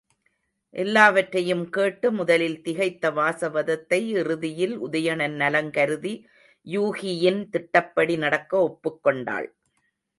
எல்லாவற்றையும் கேட்டு முதலில் திகைத்த வாசவதத்தை, இறுதியில் உதயணன் நலங்கருதி யூகியின் திட்டப்படி நடக்க ஒப்புக் கொண்டாள்.